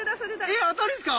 え当たりですか！